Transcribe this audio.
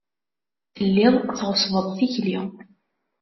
Telliḍ tɣeṣṣbeḍ tikli.